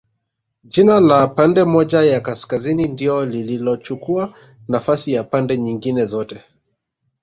Jina la pande moja ya Kaskazini ndio lililochukua nafasi ya pande nyingine zote